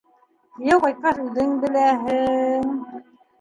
Кейәү ҡайтҡас, үҙең беләһең...